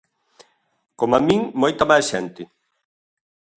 Coma min, moita máis xente.